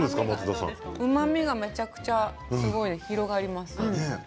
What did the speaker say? うまみがむちゃくちゃ広がります。